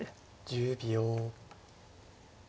１０秒。